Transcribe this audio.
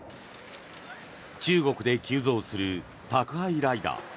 中国で急増する宅配ライダー。